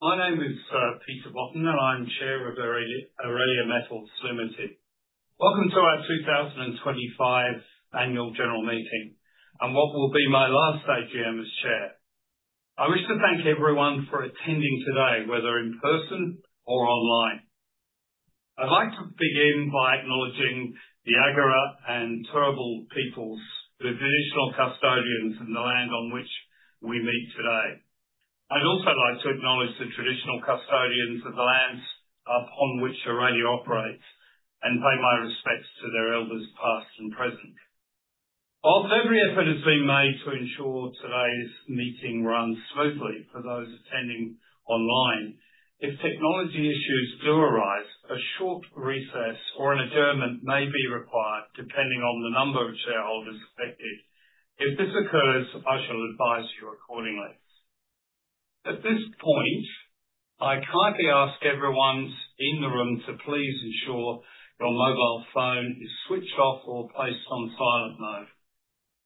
My name is Peter Botten, and I'm Chair of Aurelia Metals Limited. Welcome to our 2025 Annual General Meeting and what will be my last stage here as Chair. I wish to thank everyone for attending today, whether in person or online. I'd like to begin by acknowledging the Jagera and Turrbal peoples, the traditional custodians and the land on which we meet today. I'd also like to acknowledge the traditional custodians of the lands upon which Aurelia operates and pay my respects to their elders past and present. Whilst every effort has been made to ensure today's meeting runs smoothly for those attending online, if technology issues do arise, a short recess or an adjournment may be required depending on the number of shareholders affected. If this occurs, I shall advise you accordingly. At this point, I kindly ask everyone in the room to please ensure your mobile phone is switched off or placed on silent mode.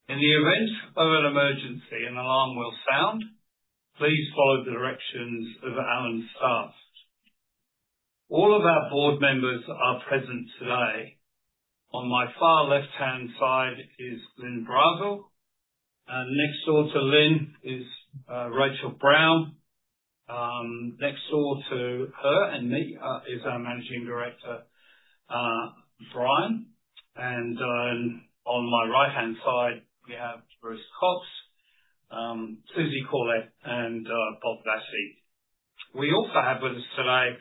In the event of an emergency, an alarm will sound. Please follow the directions of Aurelia's staff. All of our board members are present today. On my far left-hand side is Lyn Brazil. Next door to Lyn is Rachel Brown. Next door to her and me is our Managing Director, Bryan. On my right-hand side, we have Bruce Cox, Susie Corlett, and Bob Vassie. We also have with us today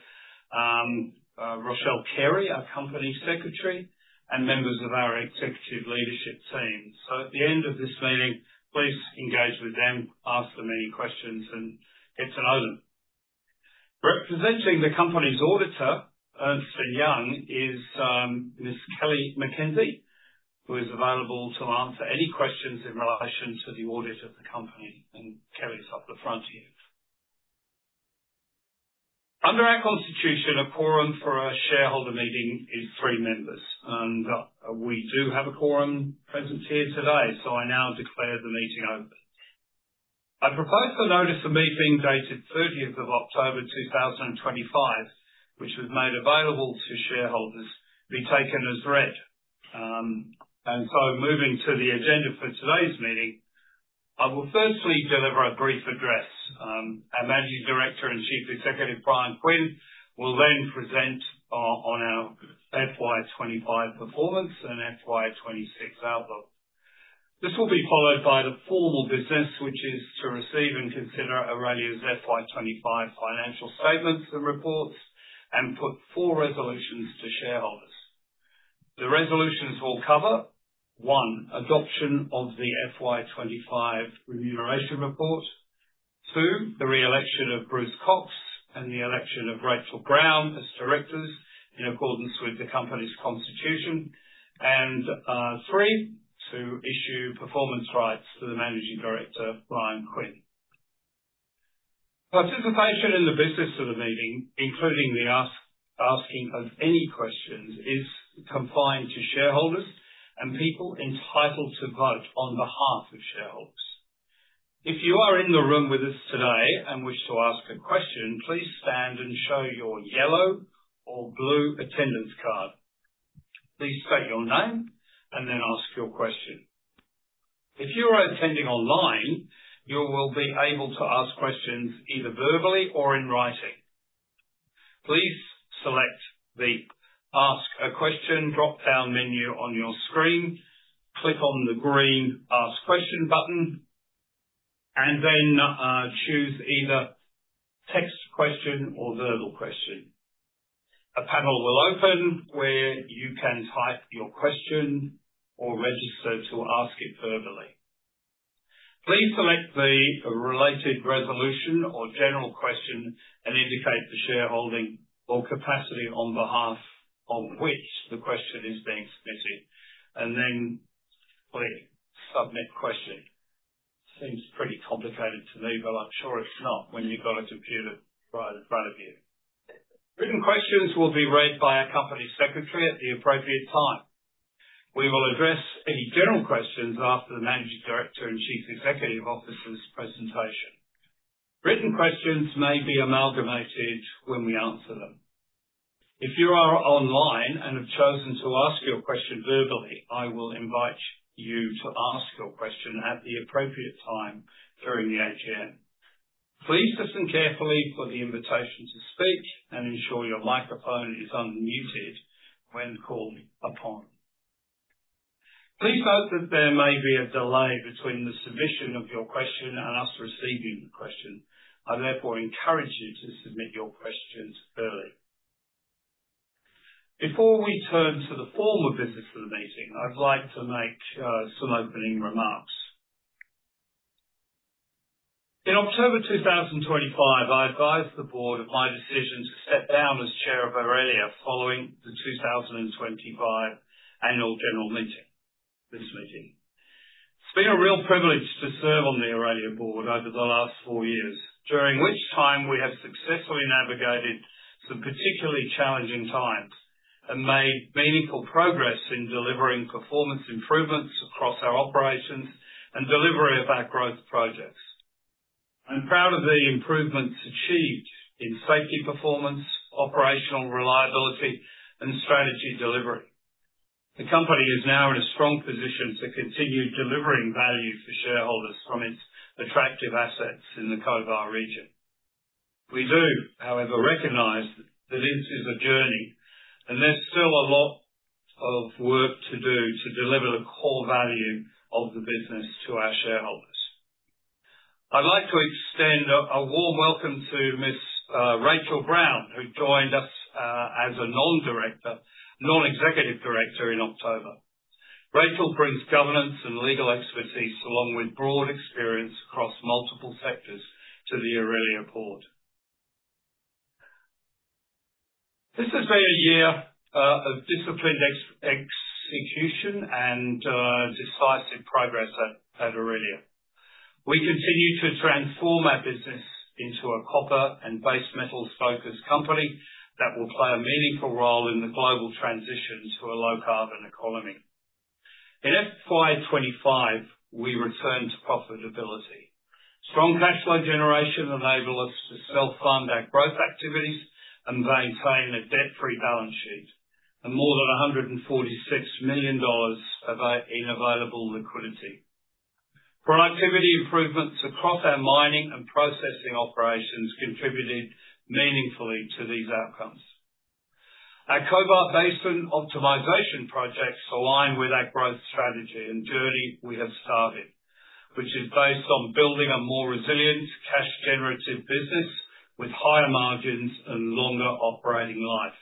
Rochelle Carey, our Company Secretary, and members of our Executive Leadership Team. At the end of this meeting, please engage with them, ask them any questions, and get to know them. Representing the Company's Auditor, Ernst & Young, is Miss Kelly McKenzie, who is available to answer any questions in relation to the audit of the company. Kelly's up the front here. Under our Constitution, a quorum for a shareholder meeting is three members, and we do have a quorum present here today, so I now declare the meeting open. I propose the notice of meeting dated 30th of October 2025, which was made available to shareholders, be taken as read. Moving to the agenda for today's meeting, I will firstly deliver a brief address. Our Managing Director and Chief Executive, Bryan Quinn, will then present on our FY '25 performance and FY '26 outlook. This will be followed by the formal business, which is to receive and consider Aurelia's FY '25 financial statements and reports and put four resolutions to shareholders. The resolutions will cover: one, adoption of the FY '25 remuneration report; two, the re-election of Bruce Cox and the election of Rachel Brown as Directors in accordance with the Company's Constitution; and three, to issue performance rights to the Managing Director, Bryan Quinn. Participation in the business of the meeting, including the asking of any questions, is confined to shareholders and people entitled to vote on behalf of shareholders. If you are in the room with us today and wish to ask a question, please stand and show your yellow or blue attendance card. Please state your name and then ask your question. If you are attending online, you will be able to ask questions either verbally or in writing. Please select the Ask a Question drop-down menu on your screen, click on the green Ask Question button, and then choose either Text Question or Verbal Question. A panel will open where you can type your question or register to ask it verbally. Please select the related resolution or general question and indicate the shareholding or capacity on behalf of which the question is being submitted, and then click Submit Question. Seems pretty complicated to me, but I'm sure it's not when you've got a computer right in front of you. Written questions will be read by our Company Secretary at the appropriate time. We will address any general questions after the Managing Director and Chief Executive Officer's presentation. Written questions may be amalgamated when we answer them. If you are online and have chosen to ask your question verbally, I will invite you to ask your question at the appropriate time during the AGM. Please listen carefully for the invitation to speak and ensure your microphone is unmuted when called upon. Please note that there may be a delay between the submission of your question and us receiving the question. I therefore encourage you to submit your questions early. Before we turn to the formal business of the meeting, I'd like to make some opening remarks. In October 2025, I advised the board of my decision to step down as Chair of Aurelia following the 2025 Annual General Meeting, this meeting. It's been a real privilege to serve on the Aurelia board over the last four years, during which time we have successfully navigated some particularly challenging times and made meaningful progress in delivering performance improvements across our operations and delivery of our growth projects. I'm proud of the improvements achieved in safety performance, operational reliability, and strategy delivery. The Company is now in a strong position to continue delivering value for shareholders from its attractive assets in the Cobar region. We do, however, recognize that this is a journey, and there's still a lot of work to do to deliver the core value of the business to our shareholders. I'd like to extend a warm welcome to Rachel Brown, who joined us as a non-executive director in October. Rachel brings governance and legal expertise along with broad experience across multiple sectors to the Aurelia board. This has been a year of disciplined execution and decisive progress at Aurelia. We continue to transform our business into a copper and base metals-focused company that will play a meaningful role in the global transition to a low-carbon economy. In FY '25, we returned to profitability. Strong cash flow generation enabled us to self-fund our growth activities and maintain a debt-free balance sheet and more than 146 million dollars in available liquidity. Productivity improvements across our mining and processing operations contributed meaningfully to these outcomes. Our Cobar Basin optimization projects align with our growth strategy and journey we have started, which is based on building a more resilient cash-generative business with higher margins and longer operating life.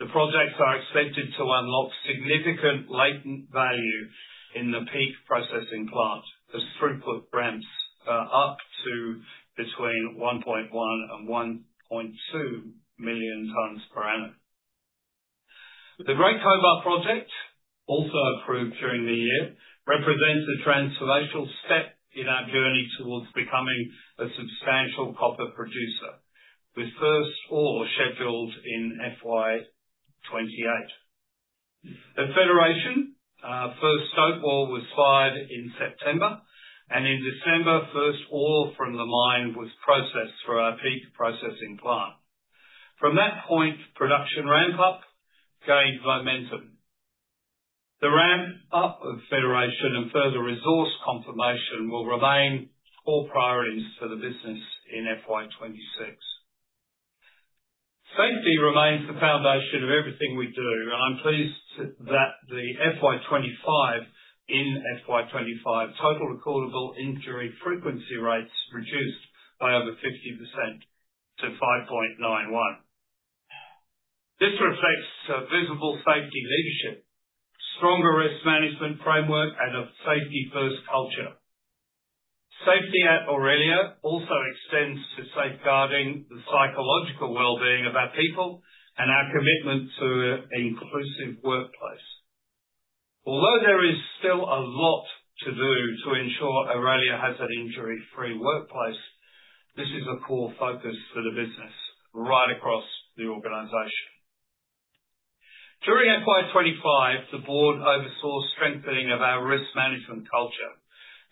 The projects are expected to unlock significant latent value in the Peak processing plant as throughput ramps up to between 1.1 and 1.2 million tons per annum. The Great Cobar Project, also approved during the year, represents a transformational step in our journey towards becoming a substantial copper producer, with first ore scheduled in FY '28. At Federation, first stope ore was fired in September, and in December, first ore from the mine was processed through our Peak processing plant. From that point, production ramp-up gained momentum. The ramp-up of Federation and further resource confirmation will remain core priorities for the business in FY '26. Safety remains the foundation of everything we do, and I'm pleased that in FY '25 total recordable injury frequency rates reduced by over 50% to 5.91. This reflects visible safety leadership, a stronger risk management framework, and a safety-first culture. Safety at Aurelia also extends to safeguarding the psychological well-being of our people and our commitment to an inclusive workplace. Although there is still a lot to do to ensure Aurelia has an injury-free workplace, this is a core focus for the business right across the organization. During FY '25, the board oversaw strengthening of our risk management culture,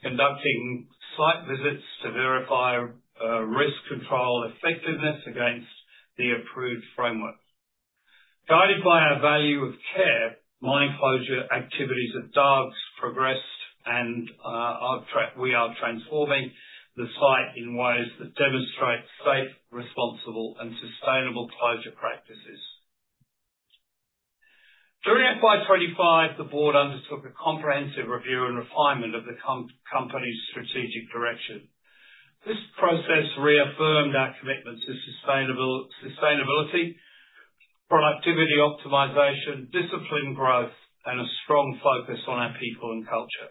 conducting site visits to verify risk control effectiveness against the approved framework. Guided by our value of care, mine closure activities of Dargues progressed, and we are transforming the site in ways that demonstrate safe, responsible, and sustainable closure practices. During FY '25, the board undertook a comprehensive review and refinement of the Company's strategic direction. This process reaffirmed our commitment to sustainability, productivity optimization, discipline growth, and a strong focus on our people and culture.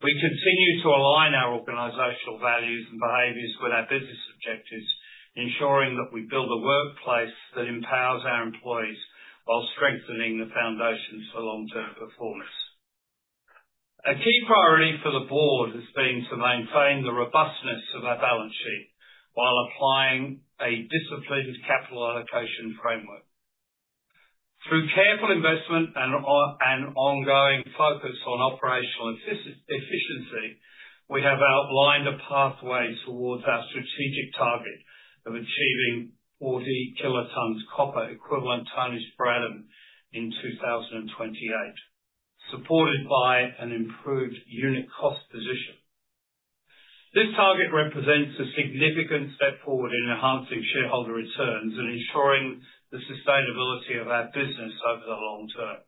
We continue to align our organizational values and behaviors with our business objectives, ensuring that we build a workplace that empowers our employees while strengthening the foundation for long-term performance. A key priority for the board has been to maintain the robustness of our balance sheet while applying a disciplined capital allocation framework. Through careful investment and ongoing focus on operational efficiency, we have outlined a pathway towards our strategic target of achieving 40 kt copper equivalent tonnage per annum in 2028, supported by an improved unit cost position. This target represents a significant step forward in enhancing shareholder returns and ensuring the sustainability of our business over the long term.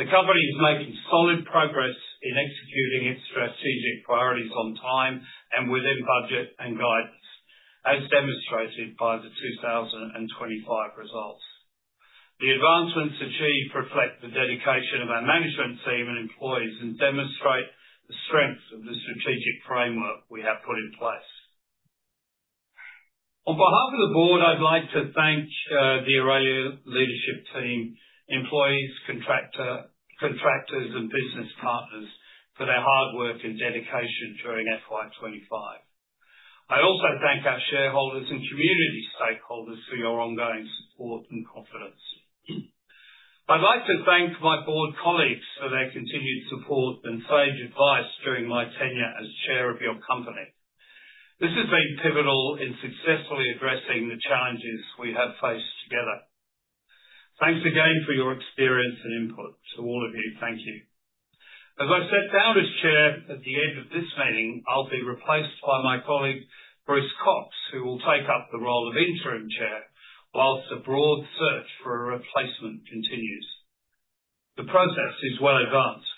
The Company is making solid progress in executing its strategic priorities on time and within budget and guidance, as demonstrated by the 2025 results. The advancements achieved reflect the dedication of our management team and employees and demonstrate the strength of the strategic framework we have put in place. On behalf of the board, I'd like to thank the Aurelia leadership team, employees, contractors, and business partners for their hard work and dedication during FY '25. I also thank our shareholders and community stakeholders for your ongoing support and confidence. I'd like to thank my board colleagues for their continued support and sage advice during my tenure as Chair of your Company. This has been pivotal in successfully addressing the challenges we have faced together. Thanks again for your experience and input. To all of you, thank you. As I set down as Chair at the end of this meeting, I'll be replaced by my colleague, Bruce Cox, who will take up the role of Interim Chair whilst a broad search for a replacement continues. The process is well advanced.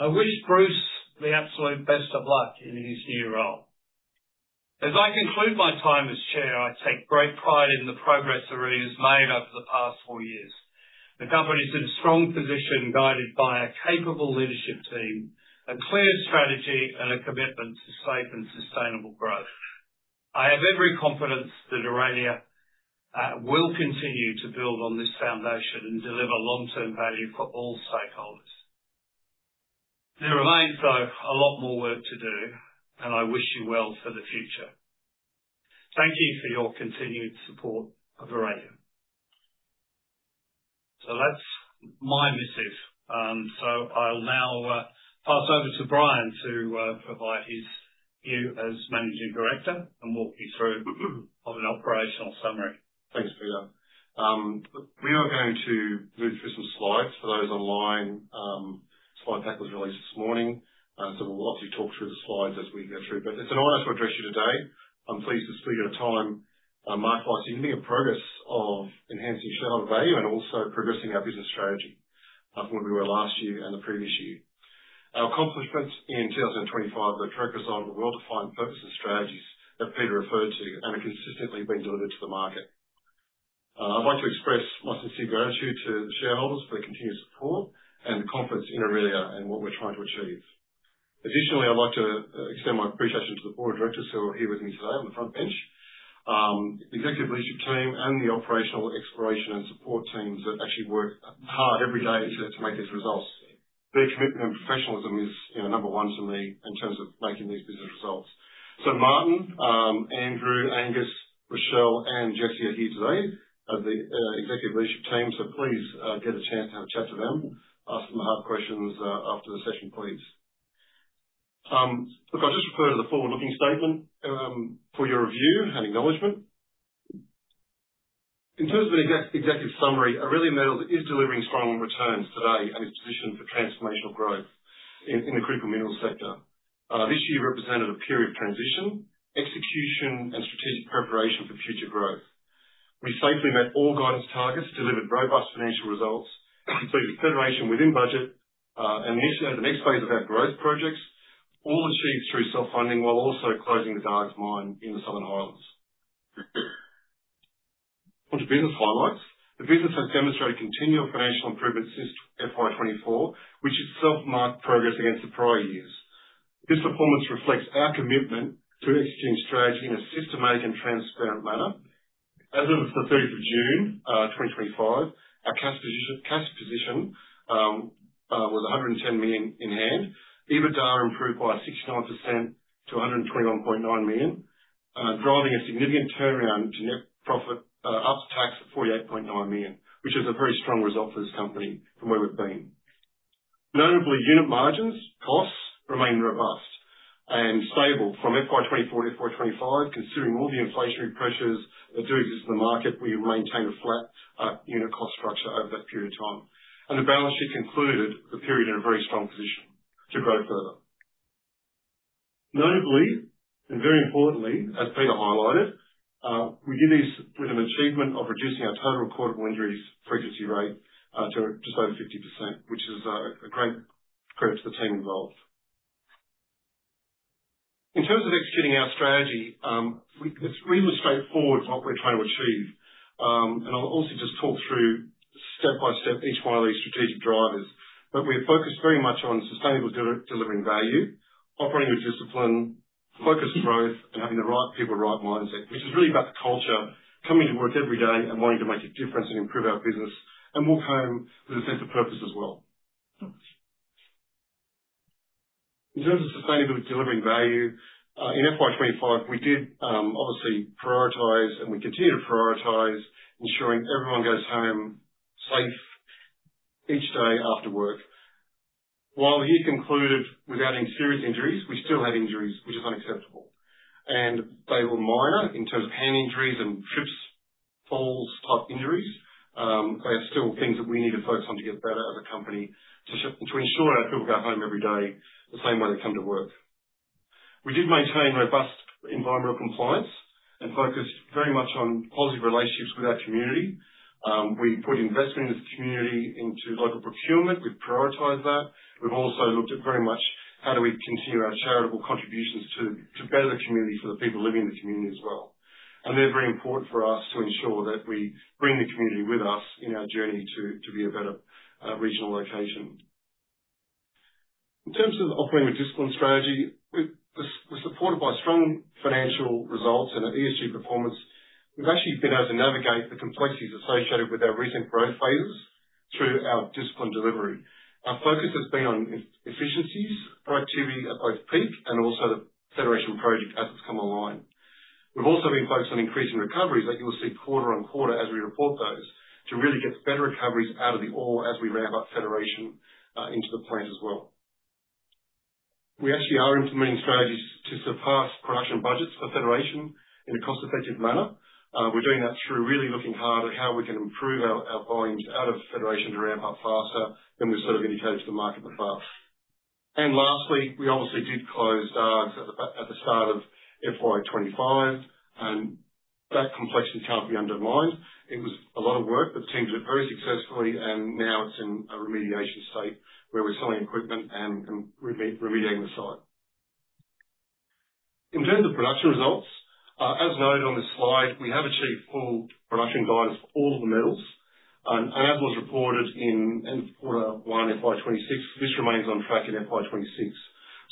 I wish Bruce the absolute best of luck in his new role. As I conclude my time as Chair, I take great pride in the progress Aurelia has made over the past four years. The Company is in a strong position guided by a capable leadership team, a clear strategy, and a commitment to safe and sustainable growth. I have every confidence that Aurelia will continue to build on this foundation and deliver long-term value for all stakeholders. There remains, though, a lot more work to do, and I wish you well for the future. Thank you for your continued support of Aurelia. That's my message. I'll now pass over to Bryan to provide his view as Managing Director and walk you through an operational summary. Thanks, Peter. We are going to move through some slides for those online. Slide pack was released this morning, so we'll obviously talk through the slides as we go through, but it's an honor to address you today. I'm pleased to speak at a time marked by significant progress of enhancing shareholder value and also progressing our business strategy from where we were last year and the previous year. Our accomplishments in 2025 are a direct result of the well-defined purpose and strategies that Peter referred to and are consistently being delivered to the market. I'd like to express my sincere gratitude to the shareholders for the continued support and the confidence in Aurelia and what we're trying to achieve. Additionally, I'd like to extend my appreciation to the board of directors who are here with me today on the front bench, the executive leadership team, and the operational exploration and support teams that actually work hard every day to make these results. Their commitment and professionalism is number one to me in terms of making these business results. Martin, Andrew, Angus, Rochelle, and Jesse are here today as the executive leadership team, so please get a chance to have a chat to them. Ask them the hard questions after the session, please. I'll just refer to the forward-looking statement for your review and acknowledgement. In terms of an executive summary, Aurelia Metals is delivering strong returns today and is positioned for transformational growth in the critical minerals sector. This year represented a period of transition, execution, and strategic preparation for future growth. We safely met all guidance targets, delivered robust financial results, completed Federation within budget, and initiated the next phase of our growth projects, all achieved through self-funding while also closing the Dargues mine in the Southern Highlands. On to business highlights. The business has demonstrated continual financial improvement since FY '24, which is self-marked progress against the prior years. This performance reflects our commitment to executing strategy in a systemic and transparent manner. As of the 30th of June 2025, our cash position was 110 million in hand. EBITDA improved by 69% to 121.9 million, driving a significant turnaround to net profit after tax of 48.9 million, which is a very strong result for this company from where we've been. Notably, unit margins, costs remain robust and stable from FY '24 to FY '25. Considering all the inflationary pressures that do exist in the market, we have maintained a flat unit cost structure over that period of time. The balance sheet concluded the period in a very strong position to grow further. Notably, and very importantly, as Peter highlighted, we did this with an achievement of reducing our total recordable injury frequency rate to just over 50%, which is a great credit to the team involved. In terms of executing our strategy, it's really straightforward what we're trying to achieve. I'll also just talk through step by step each one of these strategic drivers. We are focused very much on sustainable delivering value, operating with discipline, focused growth, and having the right people, right mindset, which is really about the culture, coming to work every day and wanting to make a difference and improve our business and walk home with a sense of purpose as well. In terms of sustainability delivering value, in FY '25, we did obviously prioritize and we continue to prioritize ensuring everyone goes home safe each day after work. While the year concluded without any serious injuries, we still had injuries, which is unacceptable. They were minor in terms of hand injuries and trips, falls-type injuries. They are still things that we need to focus on to get better as a company to ensure our people go home every day the same way they come to work. We did maintain robust environmental compliance and focused very much on positive relationships with our community. We put investment in this community into local procurement. We've prioritized that. We've also looked at very much how do we continue our charitable contributions to better the community for the people living in the community as well. They are very important for us to ensure that we bring the community with us in our journey to be a better regional location. In terms of operating with discipline strategy, we're supported by strong financial results and ESG performance. We've actually been able to navigate the complexities associated with our recent growth phases through our discipline delivery. Our focus has been on efficiencies, productivity at both Peak and also the Federation project as it's come online. We've also been focused on increasing recoveries that you will see quarter on quarter as we report those to really get better recoveries out of the ore as we ramp up Federation into the plant as well. We actually are implementing strategies to surpass production budgets for Federation in a cost-effective manner. We're doing that through really looking hard at how we can improve our volumes out of Federation to ramp up faster than we've sort of indicated to the market before. Lastly, we obviously did close Dargues at the start of FY '25, and that complexity can't be undermined. It was a lot of work, but the team did it very successfully, and now it's in a remediation state where we're selling equipment and remediating the site. In terms of production results, as noted on this slide, we have achieved full production guidance for all of the metals. As was reported in quarter one FY '26, this remains on track in FY '26.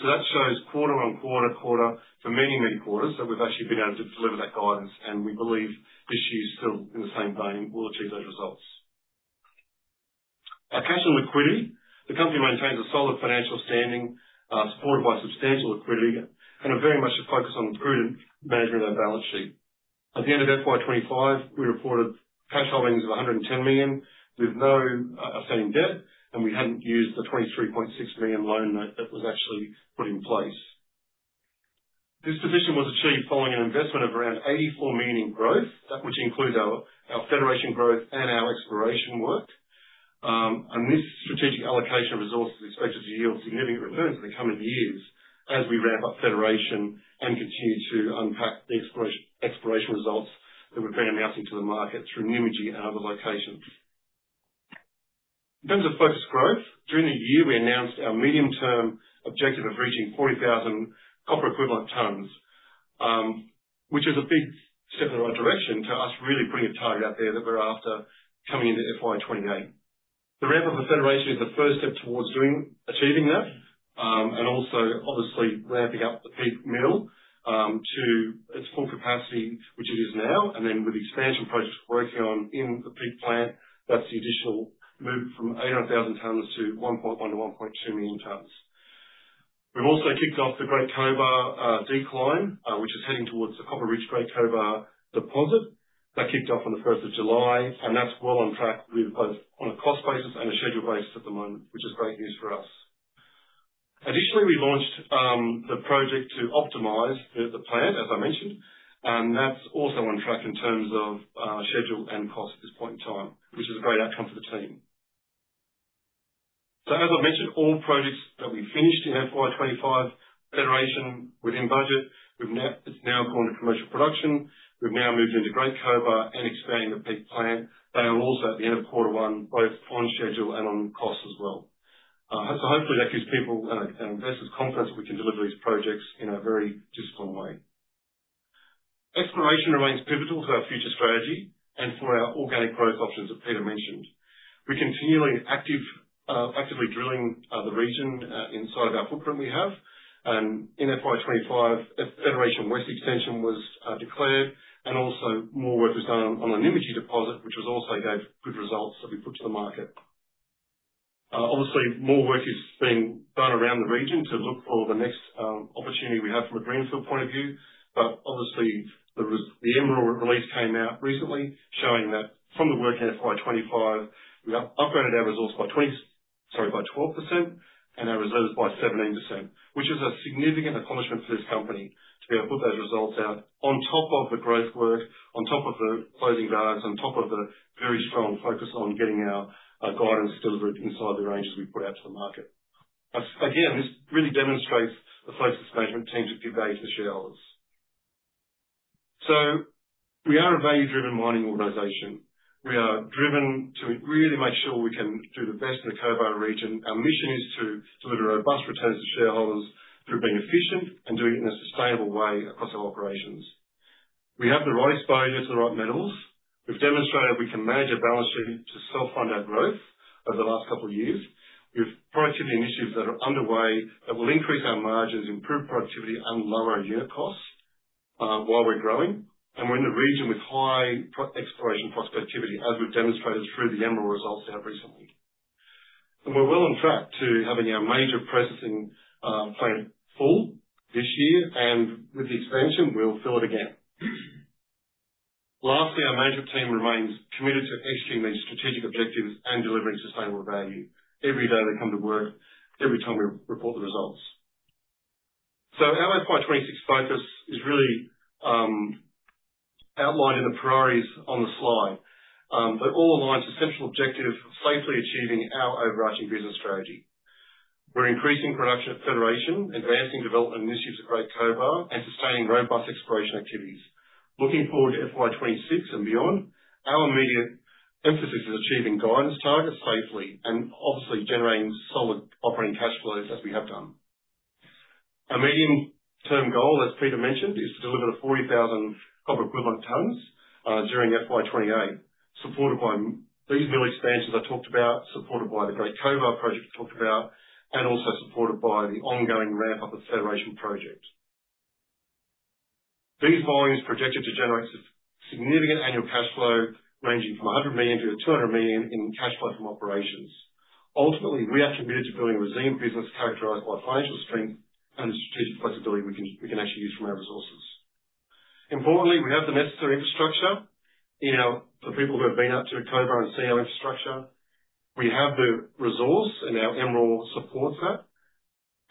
That shows quarter on quarter, quarter for many, many quarters that we've actually been able to deliver that guidance, and we believe this year still in the same vein we'll achieve those results. Our cash and liquidity. The company maintains a solid financial standing supported by substantial liquidity and a very much a focus on prudent management of our balance sheet. At the end of FY '25, we reported cash holdings of 110 million with no outstanding debt, and we had not used the 23.6 million loan note that was actually put in place. This position was achieved following an investment of around 84 million in growth, which includes our Federation growth and our exploration work. This strategic allocation of resources is expected to yield significant returns in the coming years as we ramp up Federation and continue to unpack the exploration results that we've been announcing to the market through Nymagee and other locations. In terms of focused growth, during the year, we announced our medium-term objective of reaching 40,000 copper-equivalent tonnes, which is a big step in the right direction to us really putting a target out there that we're after coming into FY '28. The ramp-up of Federation is the first step towards achieving that and also obviously ramping up the Peak mill to its full capacity, which it is now, and then with expansion projects working on in the Peak plant, that's the additional move from 800,000 tonnes to 1.1-1.2 million tonnes. We've also kicked off the Great Cobar decline, which is heading towards the Copper Ridge Great Cobar deposit. That kicked off on the 1st of July, and that's well on track with both on a cost basis and a schedule basis at the moment, which is great news for us. Additionally, we launched the project to optimize the plant, as I mentioned, and that's also on track in terms of schedule and cost at this point in time, which is a great outcome for the team. As I mentioned, all projects that we finished in FY '25, Federation within budget, it's now gone to commercial production. We've now moved into Great Cobar and expanding the Peak plant. They are also at the end of quarter one, both on schedule and on cost as well. Hopefully that gives people and investors confidence that we can deliver these projects in a very disciplined way. Exploration remains pivotal to our future strategy and for our organic growth options that Peter mentioned. We are continually actively drilling the region inside of our footprint we have. In FY '25, Federation West extension was declared, and also more work was done on the Nymagee deposit, which also gave good results that we put to the market. Obviously, more work is being done around the region to look for the next opportunity we have from a greenfield point of view. Obviously, the MROR release came out recently showing that from the work in FY '25, we upgraded our resource by 12% and our reserves by 17%, which is a significant accomplishment for this company to be able to put those results out on top of the growth work, on top of the closing Dargues, on top of the very strong focus on getting our guidance delivered inside the ranges we put out to the market. Again, this really demonstrates the focus of the management team to give value to the shareholders. We are a value-driven mining organization. We are driven to really make sure we can do the best in the Cobar region. Our mission is to deliver robust returns to shareholders through being efficient and doing it in a sustainable way across our operations. We have the right exposure to the right metals. We've demonstrated we can manage a balance sheet to self-fund our growth over the last couple of years. We have productivity initiatives that are underway that will increase our margins, improve productivity, and lower our unit costs while we're growing. We are in the region with high exploration prospectivity, as we've demonstrated through the MROR results out recently. We are well on track to having our major processing plant full this year, and with the expansion, we'll fill it again. Lastly, our management team remains committed to executing these strategic objectives and delivering sustainable value. Every day they come to work, every time we report the results. Our FY '26 focus is really outlined in the priorities on the slide, but all aligned to a central objective of safely achieving our overarching business strategy. We're increasing production at Federation, advancing development initiatives at Great Cobar, and sustaining robust exploration activities. Looking forward to FY '26 and beyond, our immediate emphasis is achieving guidance targets safely and obviously generating solid operating cash flows as we have done. Our medium-term goal, as Peter mentioned, is to deliver the 40,000 copper-equivalent tonnes during FY '28, supported by these mill expansions I talked about, supported by the Great Cobar project I talked about, and also supported by the ongoing ramp-up of the Federation project. These volumes are projected to generate significant annual cash flow ranging from 100 million-200 million in cash flow from operations. Ultimately, we are committed to building a resilient business characterized by financial strength and the strategic flexibility we can actually use from our resources. Importantly, we have the necessary infrastructure for people who have been up to Cobar and seen our infrastructure. We have the resource, and our MROR supports that.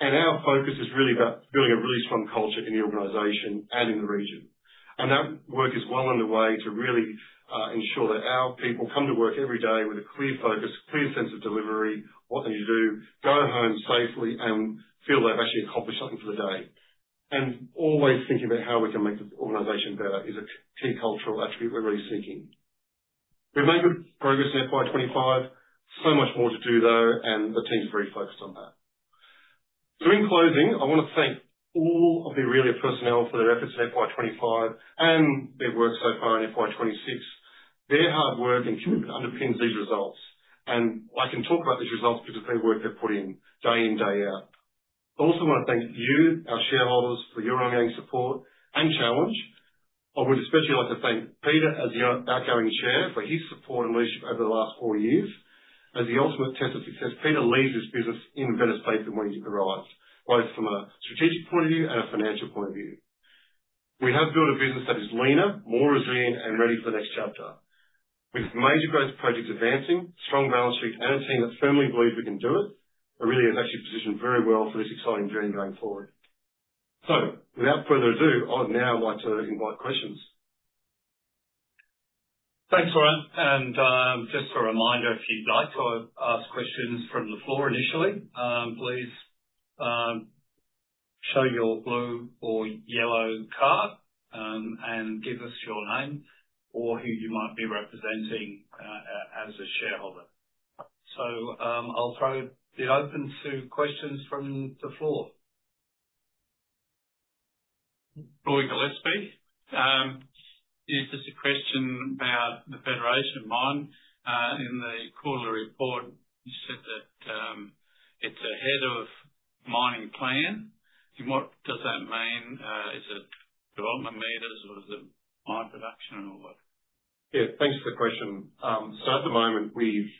Our focus is really about building a really strong culture in the organization and in the region. That work is well underway to really ensure that our people come to work every day with a clear focus, a clear sense of delivery, what they need to do, go home safely, and feel they've actually accomplished something for the day. Always thinking about how we can make the organization better is a key cultural attribute we're really seeking. We've made good progress in FY '25. There is much more to do, though, and the team's very focused on that. In closing, I want to thank all of the Aurelia personnel for their efforts in FY '25 and their work so far in FY '26. Their hard work and commitment underpins these results. I can talk about these results because of the work they've put in day in, day out. I also want to thank you, our shareholders, for your ongoing support and challenge. I would especially like to thank Peter as your outgoing Chair for his support and leadership over the last four years. As the ultimate test of success, Peter leads this business in better shape than when he arrived, both from a strategic point of view and a financial point of view. We have built a business that is leaner, more resilient, and ready for the next chapter. With major growth projects advancing, a strong balance sheet, and a team that firmly believes we can do it, Aurelia is actually positioned very well for this exciting journey going forward. I'd now like to invite questions. Thanks, Bryan. Just a reminder, if you'd like to ask questions from the floor initially, please show your blue or yellow card and give us your name or who you might be representing as a shareholder. I'll throw it open to questions from the floor. Roy Gillespie. It's just a question about the Federation. Mine in the quarterly report, you said that it's ahead of mining plan. What does that mean? Is it development meters or is it mine production or what? Yeah, thanks for the question. At the moment, we've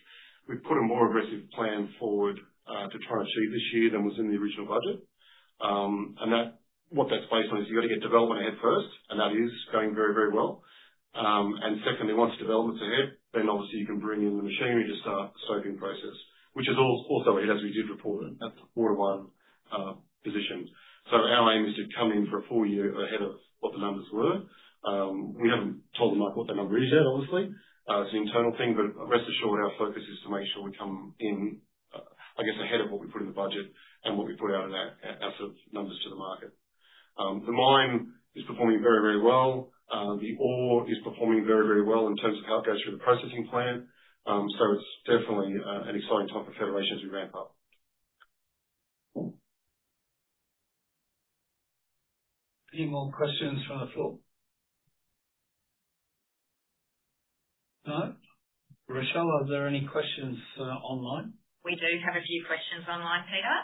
put a more aggressive plan forward to try and achieve this year than was in the original budget. What that's based on is you've got to get development ahead first, and that is going very, very well. Secondly, once development's ahead, obviously you can bring in the machinery to start the stoping process, which is also ahead as we did report at the quarter one position. Our aim is to come in for a full year ahead of what the numbers were. We haven't told them what the number is yet, obviously. It's an internal thing, but rest assured, our focus is to make sure we come in, I guess, ahead of what we put in the budget and what we put out of our sort of numbers to the market. The mine is performing very, very well. The ore is performing very, very well in terms of how it goes through the processing plant. It's definitely an exciting time for Federation to ramp up. Any more questions from the floor? No? Rochelle, are there any questions online? We do have a few questions online, Peter.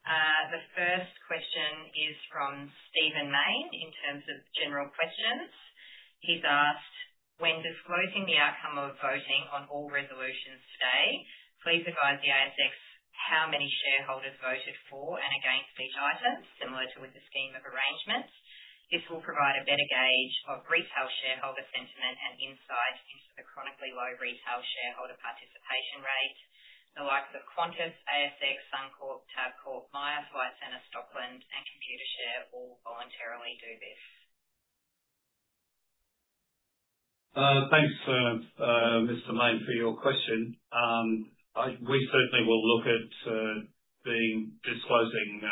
The first question is from Stephen Mayne in terms of general questions. He's asked, when disclosing the outcome of voting on all resolutions today, please advise the ASX how many shareholders voted for and against each item, similar to with the scheme of arrangements. This will provide a better gauge of retail shareholder sentiment and insight into the chronically low retail shareholder participation rate. The likes of Qantas, ASX, Suncorp, Tabcorp, Myer, Flight Center, Stockland, and Computershare all voluntarily do this. Thanks, Mr. Mayne, for your question. We certainly will look at disclosing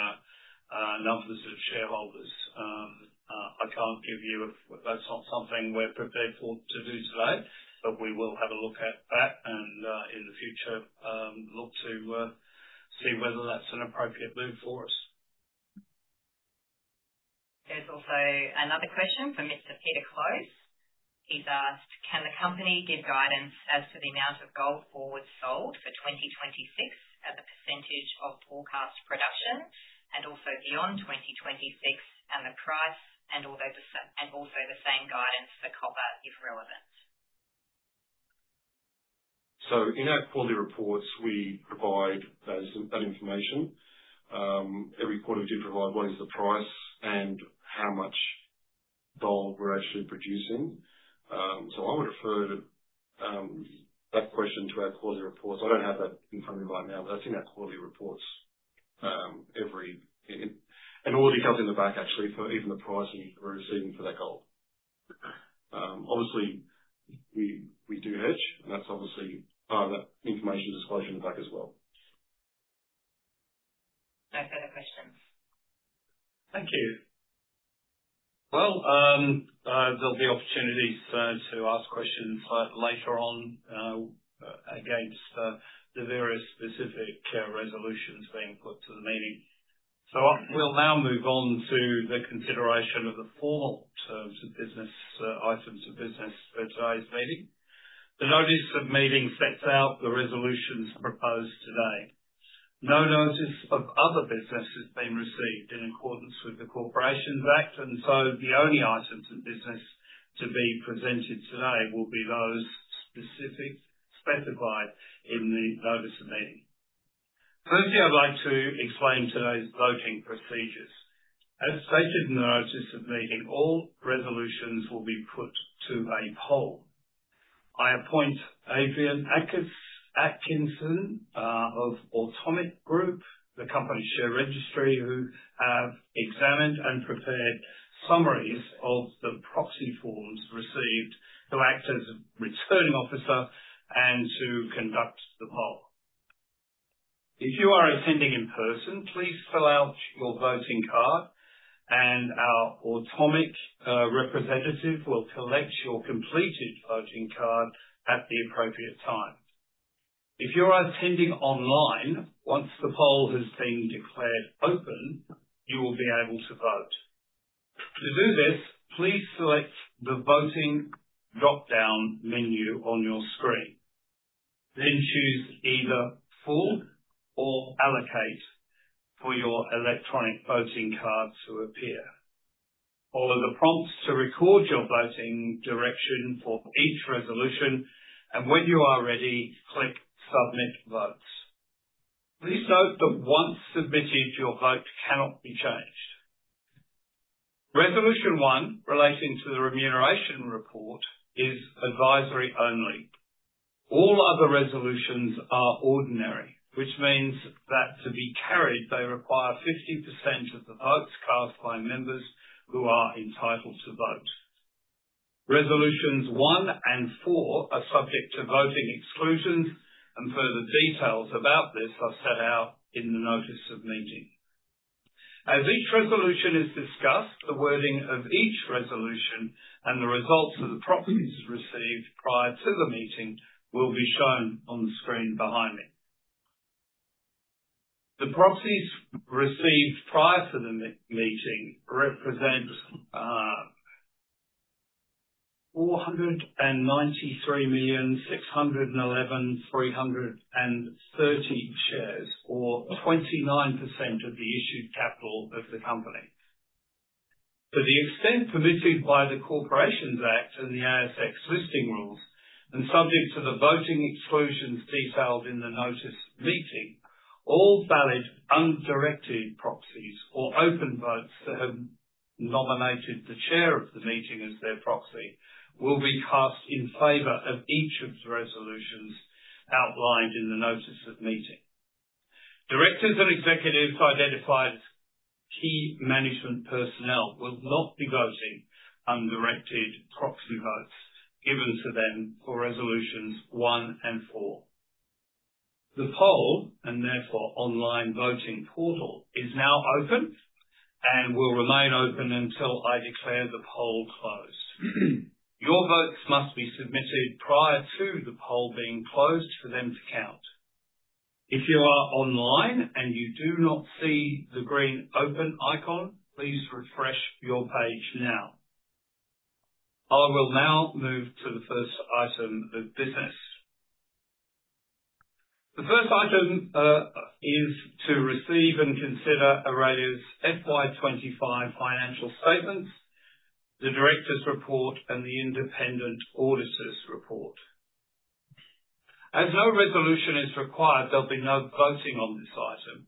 numbers of shareholders. I can't give you a—that's not something we're prepared for to do today, but we will have a look at that and in the future look to see whether that's an appropriate move for us. There's also another question from Mr. Peter Close. He's asked, can the company give guidance as to the amount of gold forwards sold for 2026 at the percentage of forecast production and also beyond 2026 and the price, and also the same guidance for copper if relevant? In our quarterly reports, we provide that information. Every quarter, we do provide what is the price and how much gold we're actually producing. I would refer that question to our quarterly reports. I do not have that in front of me right now, but that is in our quarterly reports. All the details in the back, actually, for even the price and the receiving for that gold. Obviously, we do hedge, and that is obviously part of that information disclosure in the back as well. No further questions. Thank you. There will be opportunities to ask questions later on against the various specific resolutions being put to the meeting. We will now move on to the consideration of the formal terms of business, items of business for today's meeting. The notice of meeting sets out the resolutions proposed today. No notice of other business has been received in accordance with the Corporations Act, and so the only items of business to be presented today will be those specifically specified in the notice of meeting. Firstly, I'd like to explain today's voting procedures. As stated in the notice of meeting, all resolutions will be put to a poll. I appoint Adrienne Atkinson of Automic Group, the company share registry, who have examined and prepared summaries of the proxy forms received to act as a returning officer and to conduct the poll. If you are attending in person, please fill out your voting card, and our Automic representative will collect your completed voting card at the appropriate time. If you are attending online, once the poll has been declared open, you will be able to vote. To do this, please select the voting drop-down menu on your screen. Then choose either Full or Allocate for your electronic voting card to appear. Follow the prompts to record your voting direction for each resolution, and when you are ready, click Submit Votes. Please note that once submitted, your vote cannot be changed. Resolution one relating to the remuneration report is advisory only. All other resolutions are ordinary, which means that to be carried, they require 50% of the votes cast by members who are entitled to vote. Resolutions one and four are subject to voting exclusions, and further details about this are set out in the notice of meeting. As each resolution is discussed, the wording of each resolution and the results of the proxies received prior to the meeting will be shown on the screen behind me. The proxies received prior to the meeting represent 493,611,330 shares, or 29% of the issued capital of the company. To the extent permitted by the Corporations Act and the ASX listing rules, and subject to the voting exclusions detailed in the notice of meeting, all valid undirected proxies or open votes that have nominated the chair of the meeting as their proxy will be cast in favor of each of the resolutions outlined in the notice of meeting. Directors and executives identified as key management personnel will not be voting undirected proxy votes given to them for resolutions one and four. The poll, and therefore online voting portal, is now open and will remain open until I declare the poll closed. Your votes must be submitted prior to the poll being closed for them to count. If you are online and you do not see the green open icon, please refresh your page now. I will now move to the first item of business. The first item is to receive and consider Aurelia's FY '25 financial statements, the director's report, and the independent auditor's report. As no resolution is required, there will be no voting on this item.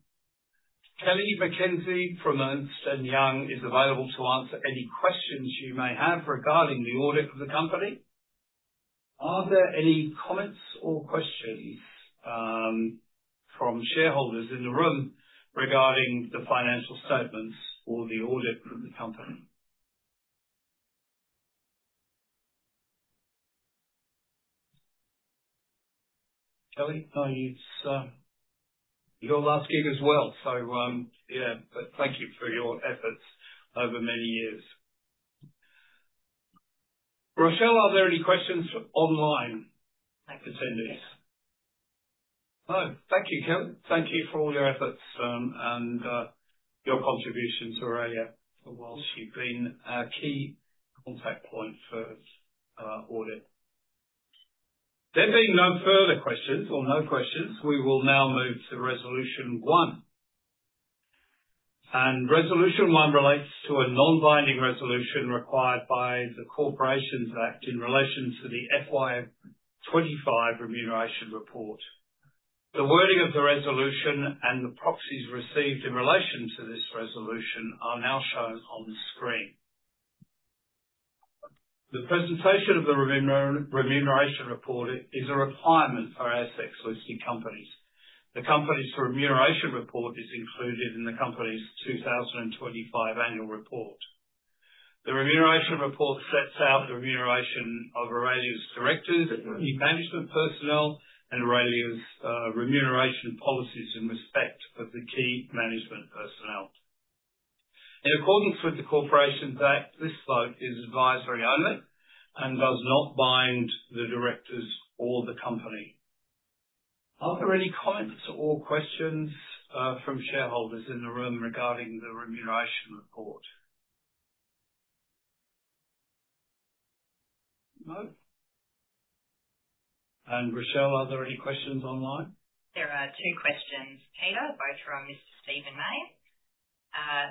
Kelly McKenzie from Ernst & Young is available to answer any questions you may have regarding the audit of the company. Are there any comments or questions from shareholders in the room regarding the financial statements or the audit of the company? Kelly, no, your last gig as well. So yeah, but thank you for your efforts over many years. Rochelle, are there any questions online attendees? No. Thank you, Kelly. Thank you for all your efforts and your contributions to Aurelia while she's been a key contact point for audit. There being no further questions or no questions, we will now move to resolution one. Resolution one relates to a non-binding resolution required by the Corporations Act in relation to the FY '25 remuneration report. The wording of the resolution and the proxies received in relation to this resolution are now shown on the screen. The presentation of the remuneration report is a requirement for ASX-listed companies. The company's remuneration report is included in the company's 2025 annual report. The remuneration report sets out the remuneration of Aurelia's directors, key management personnel, and Aurelia's remuneration policies in respect of the key management personnel. In accordance with the Corporations Act, this vote is advisory only and does not bind the directors or the company. Are there any comments or questions from shareholders in the room regarding the remuneration report? No? Rochelle, are there any questions online? There are two questions, Peter, both from Mr. Stephen Mayne.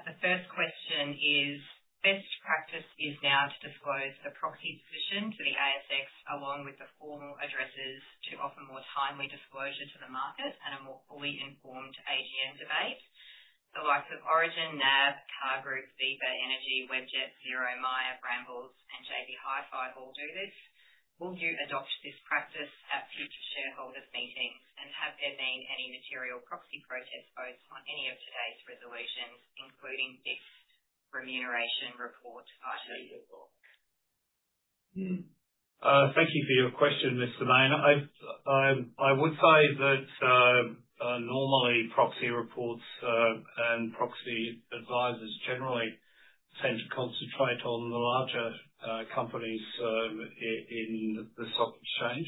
The first question is, best practice is now to disclose the proxy position to the ASX along with the formal addresses to offer more timely disclosure to the market and a more fully informed AGM debate. The likes of Origin, NAB, Car Group, Viva Energy, Webjet, Xero, Myer, Ramsay, and JB Hi-Fi all do this. Will you adopt this practice at future shareholders' meetings? Have there been any material proxy protest votes on any of today's resolutions, including this remuneration report item? Thank you for your question, Mr. Mayne. I would say that normally proxy reports and proxy advisors generally tend to concentrate on the larger companies in the stock exchange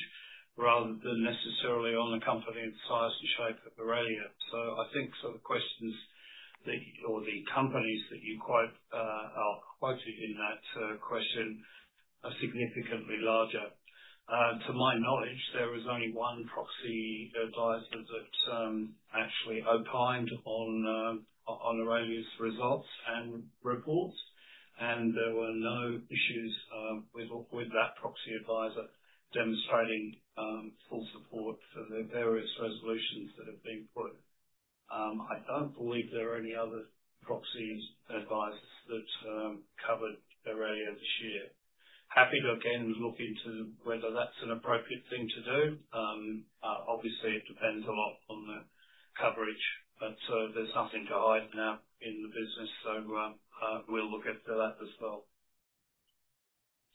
rather than necessarily on the company and size and shape of Aurelia. I think sort of questions or the companies that you quote in that question are significantly larger. To my knowledge, there was only one proxy advisor that actually opined on Aurelia's results and reports, and there were no issues with that proxy advisor demonstrating full support for the various resolutions that have been put. I do not believe there are any other proxy advisors that covered Aurelia this year. Happy to again look into whether that is an appropriate thing to do. Obviously, it depends a lot on the coverage, but there is nothing to hide now in the business, so we will look after that as well.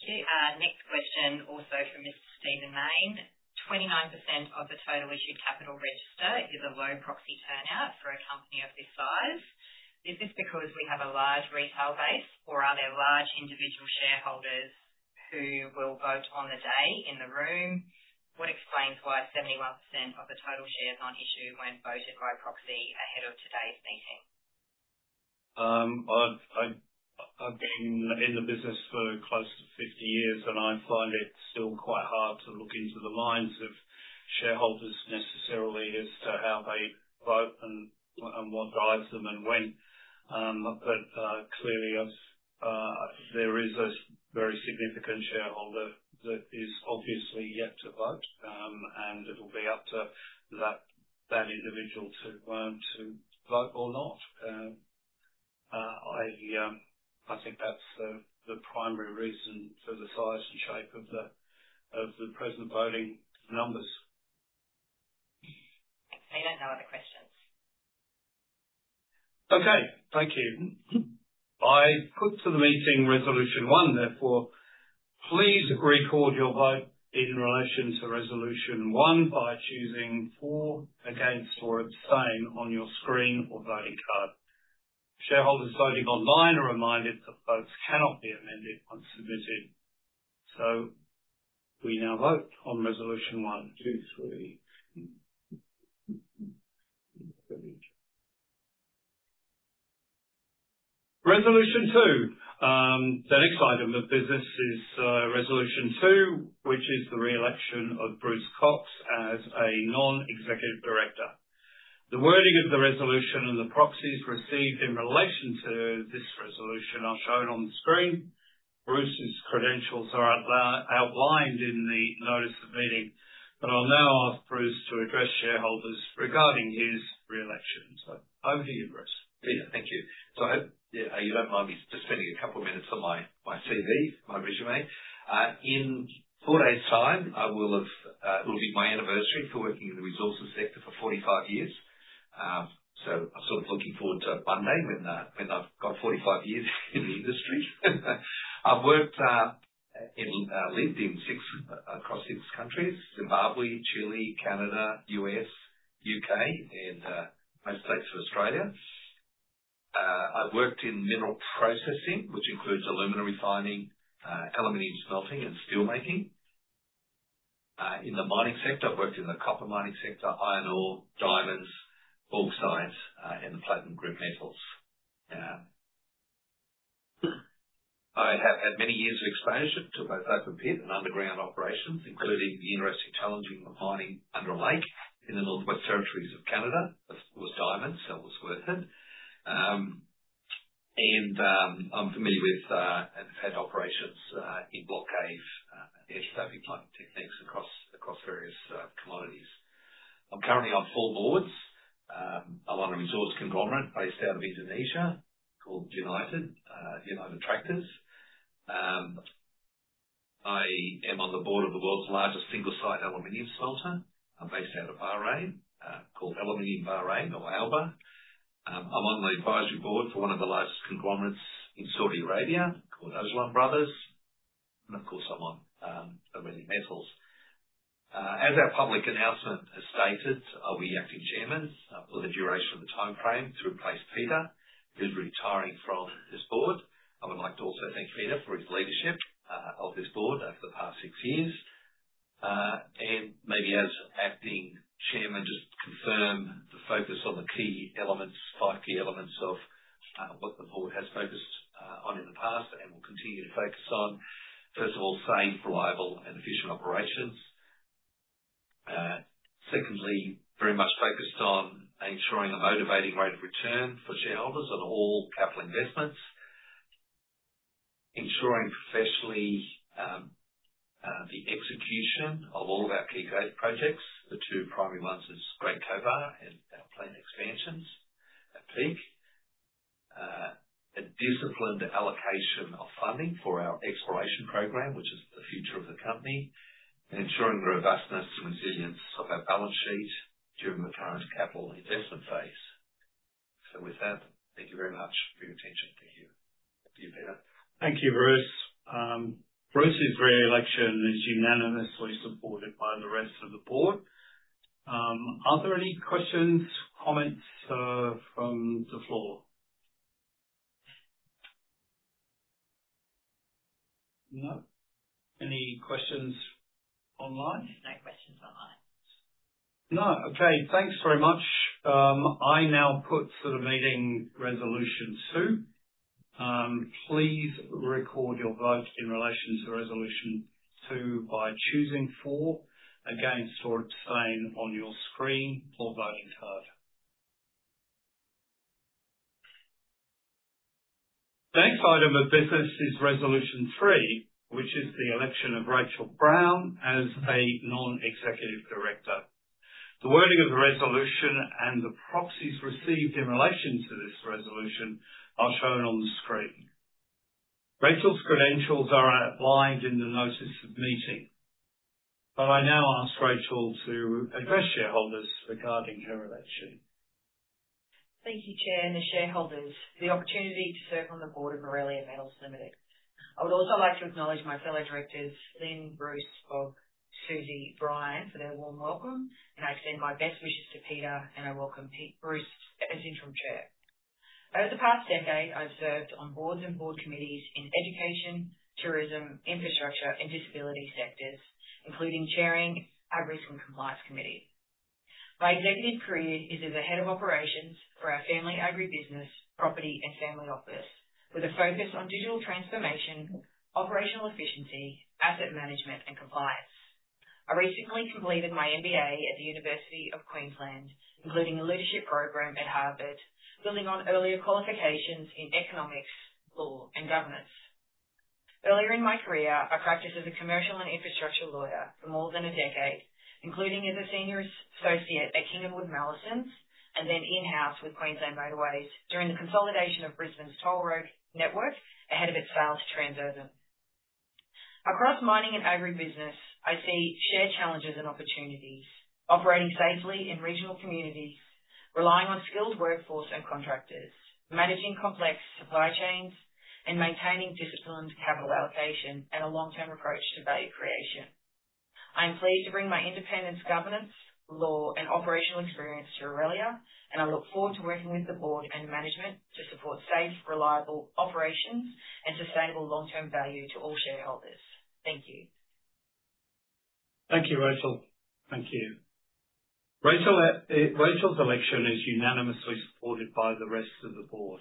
Next question also from Mr. Stephen Mayne. 29% of the total issued capital register is a low proxy turnout for a company of this size. Is this because we have a large retail base, or are there large individual shareholders who will vote on the day in the room? What explains why 71% of the total shares on issue were not voted by proxy ahead of today's meeting? I've been in the business for close to 50 years, and I find it still quite hard to look into the minds of shareholders necessarily as to how they vote and what drives them and when. Clearly, there is a very significant shareholder that is obviously yet to vote, and it will be up to that individual to vote or not. I think that's the primary reason for the size and shape of the present voting numbers. We do not know other questions. Okay. Thank you. I put to the meeting resolution one. Therefore, please record your vote in relation to resolution one by choosing for, against, or abstain on your screen or voting card. Shareholders voting online are reminded that votes cannot be amended once submitted. We now vote on resolution one. Resolution two. The next item of business is resolution two, which is the re-election of Bruce Cox as a non-executive director. The wording of the resolution and the proxies received in relation to this resolution are shown on the screen. Bruce's credentials are outlined in the notice of meeting, but I'll now ask Bruce to address shareholders regarding his re-election. Over to you, Bruce. Peter, thank you. I hope you don't mind me spending a couple of minutes on my CV, my resume. In four days' time, it will be my anniversary for working in the resources sector for 45 years. So I'm sort of looking forward to Monday when I've got 45 years in the industry. I've worked in, lived in across six countries: Zimbabwe, Chile, Canada, U.S., U.K., and most states of Australia. I've worked in mineral processing, which includes aluminum refining, aluminum smelting, and steelmaking. In the mining sector, I've worked in the copper mining sector, iron ore, diamonds, bauxite, and the platinum group metals. I have had many years of exposure to both open pit and underground operations, including the interesting challenging of mining under a lake in the Northwest Territories of Canada. Of course, diamonds are worth it. And I'm familiar with and have had operations in block cave and surface mining techniques across various commodities. I'm currently on four boards. I'm on a resource conglomerate based out of Indonesia called United Tractors. I am on the board of the world's largest single-site aluminum smelter. I'm based out of Bahrain, called Aluminium Bahrain or ALBA. I'm on the advisory board for one of the largest conglomerates in Saudi Arabia called Ajlan Brothers. Of course, I'm on Aurelia Metals. As our public announcement has stated, I'll be acting chairman for the duration of the timeframe to replace Peter, who's retiring from this board. I would like to also thank Peter for his leadership of this board over the past six years. Maybe as acting chairman, just confirm the focus on the key elements, five key elements of what the board has focused on in the past and will continue to focus on. First of all, safe, reliable, and efficient operations. Secondly, very much focused on ensuring a motivating rate of return for shareholders on all capital investments, ensuring professionally the execution of all of our key projects, the two primary ones are Great Cobar and our plant expansions at Peak, a disciplined allocation of funding for our exploration program, which is the future of the company, and ensuring the robustness and resilience of our balance sheet during the current capital investment phase. Thank you very much for your attention. Thank you. Thank you, Peter. Thank you, Bruce. Bruce's re-election is unanimously supported by the rest of the board. Are there any questions, comments from the floor? No? Any questions online? There are no questions online. No. Okay. Thanks very much. I now put to the meeting resolution two. Please record your vote in relation to resolution two by choosing for, against, or abstain on your screen or voting card. The next item of business is resolution three, which is the election of Rachel Brown as a non-executive director. The wording of the resolution and the proxies received in relation to this resolution are shown on the screen. Rachel's credentials are outlined in the notice of meeting. I now ask Rachel to address shareholders regarding her election. Thank you, Chair and the shareholders. The opportunity to serve on the board of Aurelia Metals Limited. I would also like to acknowledge my fellow directors, Lyn, Bruce, Bob, Susie, Bryan for their warm welcome. I extend my best wishes to Peter, and I welcome Bruce as interim chair. Over the past decade, I've served on boards and board committees in education, tourism, infrastructure, and disability sectors, including chairing our risk and compliance committee. My executive career is as a head of operations for our family agribusiness, property, and family office, with a focus on digital transformation, operational efficiency, asset management, and compliance. I recently completed my MBA at the University of Queensland, including a leadership program at Harvard, building on earlier qualifications in economics, law, and governance. Earlier in my career, I practiced as a commercial and infrastructure lawyer for more than a decade, including as a senior associate at King & Wood Mallesons and then in-house with Queensland Motorways during the consolidation of Brisbane's toll road network ahead of its sale to Transurban. Across mining and agribusiness, I see shared challenges and opportunities, operating safely in regional communities, relying on skilled workforce and contractors, managing complex supply chains, and maintaining disciplined capital allocation and a long-term approach to value creation. I am pleased to bring my independence, governance, law, and operational experience to Aurelia, and I look forward to working with the board and management to support safe, reliable operations and sustainable long-term value to all shareholders. Thank you. Thank you, Rachel. Thank you. Rachel's election is unanimously supported by the rest of the board.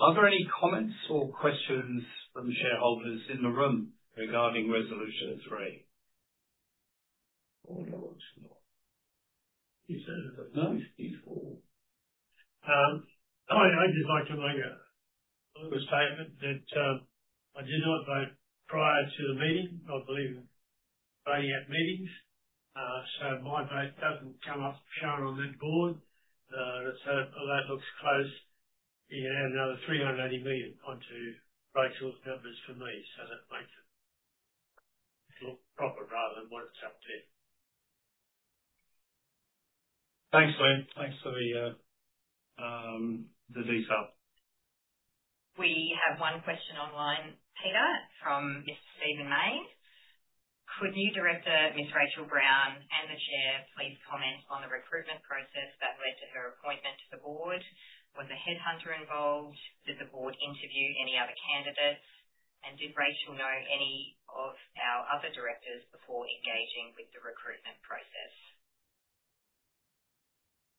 Are there any comments or questions from shareholders in the room regarding resolution three? No one's got anything to add. I'd just like to make a statement that I did not vote prior to the meeting. I believe voting at meetings. So my vote doesn't come up shown on that board. That looks close. We had another 380 million onto Rachel's numbers for me, so that makes it look proper rather than what it's up to. Thanks, Lyn. Thanks for the detail. We have one question online, Peter, from Mr. Stephen Mayne. Could new director, Ms. Rachel Brown, and the Chair please comment on the recruitment process that led to her appointment to the board? Was a headhunter involved? Did the board interview any other candidates? Did Rachel know any of our other directors before engaging with the recruitment process?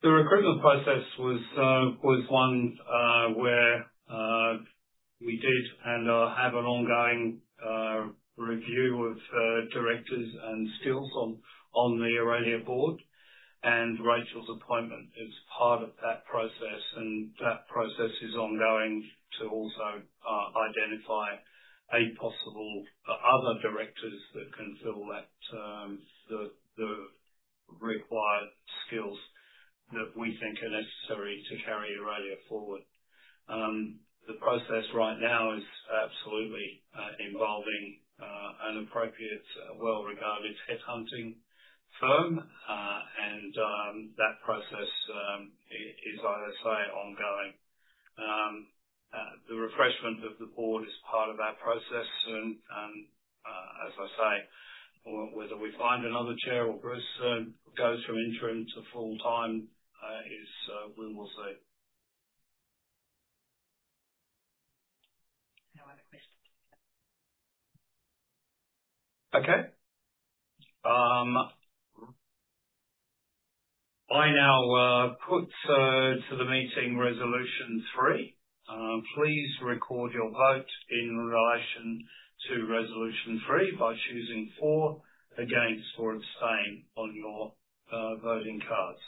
The recruitment process was one where we did and have an ongoing review of directors and skills on the Aurelia board. Rachel's appointment is part of that process, and that process is ongoing to also identify eight possible other directors that can fill the required skills that we think are necessary to carry Aurelia forward. The process right now is absolutely involving an appropriate, well-regarded headhunting firm, and that process is, I would say, ongoing. The refreshment of the board is part of that process. As I say, whether we find another chair or Bruce goes from interim to full-time is we will see. No other questions. Okay. I now put to the meeting resolution three. Please record your vote in relation to resolution three by choosing for, against, or abstain on your voting cards.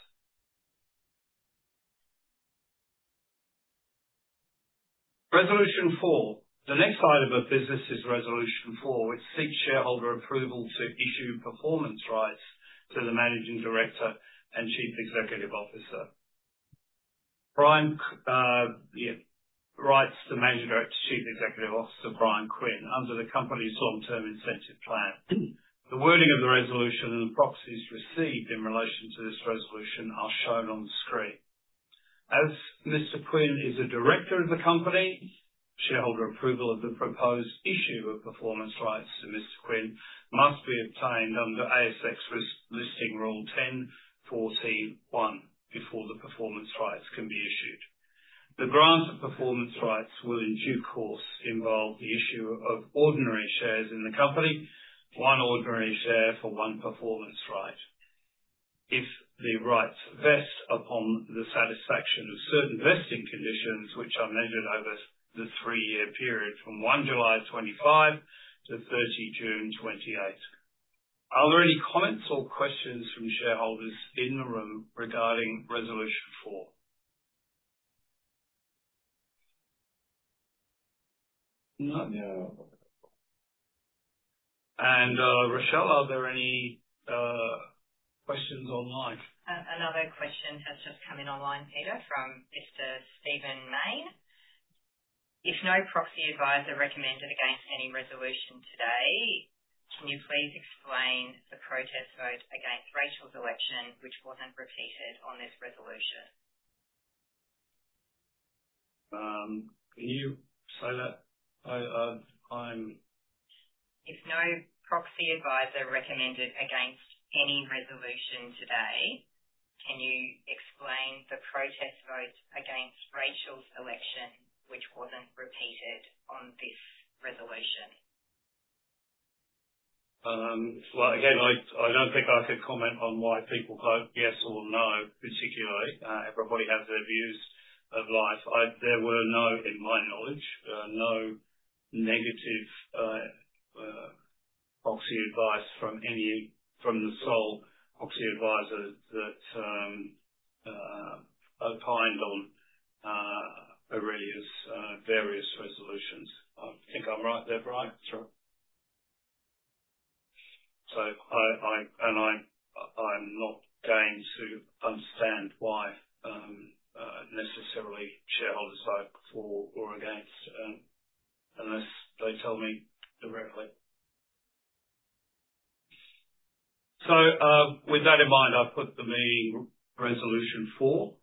Resolution four. The next item of business is resolution four, which seeks shareholder approval to issue performance rights to the Managing Director and Chief Executive Officer. Performance rights to Managing Director, Chief Executive Officer Bryan Quinn under the company's long-term incentive plan. The wording of the resolution and the proxies received in relation to this resolution are shown on the screen. As Mr. Quinn is a director of the company, shareholder approval of the proposed issue of performance rights to Mr. Quinn must be obtained under ASX listing rule 10.41 before the performance rights can be issued. The grant of performance rights will, in due course, involve the issue of ordinary shares in the company, one ordinary share for one performance right. If the rights vest upon the satisfaction of certain vesting conditions, which are measured over the three-year period from 1 July 2025 to 30 June 2028. Are there any comments or questions from shareholders in the room regarding resolution four? No? No. Rochelle, are there any questions online? Another question has just come in online, Peter, from Mr. Stephen Mayne. If no proxy advisor recommended against any resolution today, can you please explain the protest vote against Rachel's election, which was not repeated on this resolution? Can you say that? I'm. If no proxy advisor recommended against any resolution today, can you explain the protest vote against Rachel's election, which was not repeated on this resolution? Again, I do not think I could comment on why people vote yes or no, particularly. Everybody has their views of life. There were, to my knowledge, no negative proxy advice from the sole proxy advisor that opined on Aurelia's various resolutions. I think I am right there, Bryan? That is right. I am not going to understand why necessarily shareholders vote for or against unless they tell me directly. With that in mind, I have put the meeting resolution four.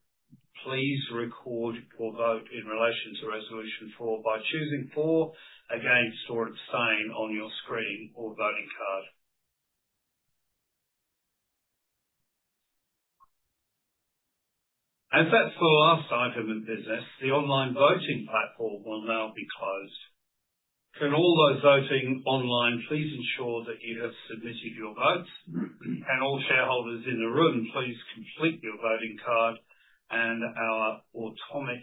Please record your vote in relation to resolution four by choosing for, against, or abstain on your screen or voting card. As that is the last item of business, the online voting platform will now be closed. For all those voting online, please ensure that you have submitted your votes. All shareholders in the room, please complete your voting card, and our Automic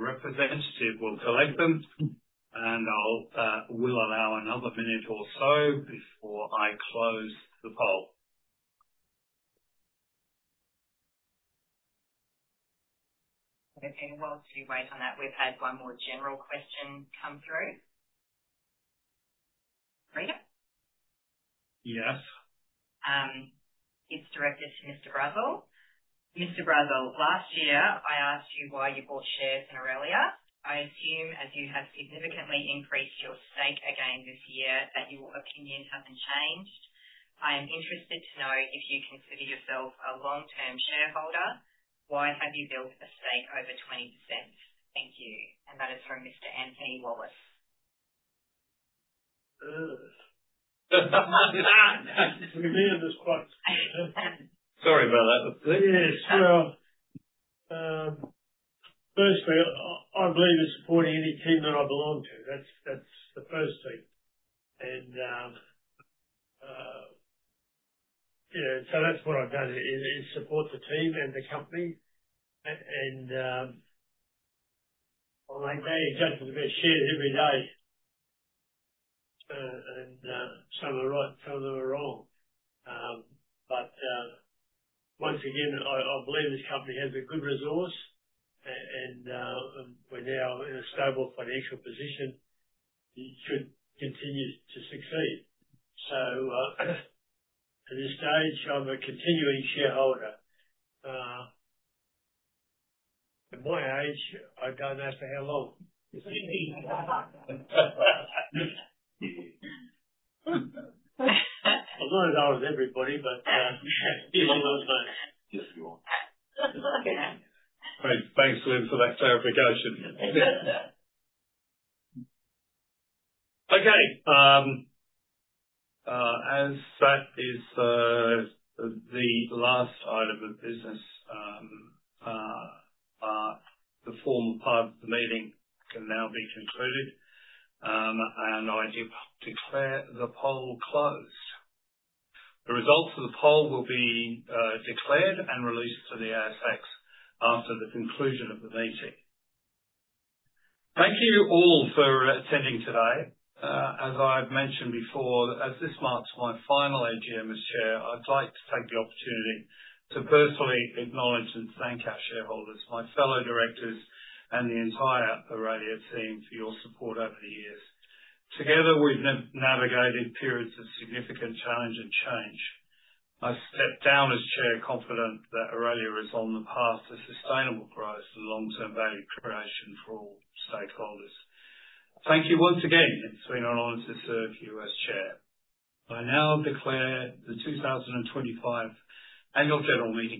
representative will collect them. I will allow another minute or so before I close the poll. Okay. Whilst you wait on that, we've had one more general question come through. Peter? Yes. It's directed to Mr. Brazil. Mr. Brazil, last year, I asked you why you bought shares in Aurelia. I assume as you have significantly increased your stake again this year that your opinion hasn't changed. I am interested to know if you consider yourself a long-term shareholder. Why have you built a stake over 20%? Thank you. That is from Mr. Anthony Wallace. Sorry about that. Yes. Firstly, I believe in supporting any team that I belong to. That's the first thing. That's what I've done, is support the team and the company. I am being judged as being shared every day. Some are right and some of them are wrong. I believe this company has a good resource, and we are now in a stable financial position. It should continue to succeed. At this stage, I am a continuing shareholder. At my age, I do not know after how long. I am not as old as everybody, but... Yes, you are. Thanks, Lyn, for that clarification. Okay. As that is the last item of business, the formal part of the meeting can now be concluded. I declare the poll closed. The results of the poll will be declared and released to the ASX after the conclusion of the meeting. Thank you all for attending today. As I've mentioned before, as this marks my final AGM as chair, I'd like to take the opportunity to personally acknowledge and thank our shareholders, my fellow directors, and the entire Aurelia team for your support over the years. Together, we've navigated periods of significant challenge and change. I step down as chair confident that Aurelia is on the path to sustainable growth and long-term value creation for all stakeholders. Thank you once again. It's been an honor to serve you as chair. I now declare the 2025 annual general meeting.